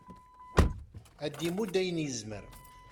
ad d-imudd ayen yezmer